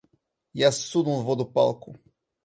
Я сунул в воду палку.